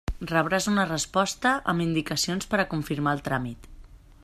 Rebràs una resposta, amb indicacions per a confirmar el tràmit.